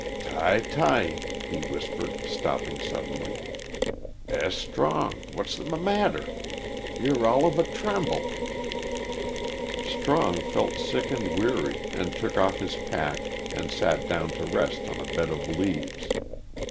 "T y ty!" he whispered, stopping suddenly. "S. Strong, what's the m matter? Yer all of a tremble." Strong felt sick and weary, and took off his pack and sat down to rest on a bed of leaves.